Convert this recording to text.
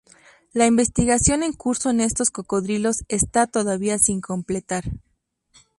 La investigación en curso en estos cocodrilos está todavía sin completar.